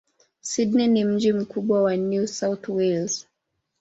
Sydney ni mji mkubwa wa New South Wales.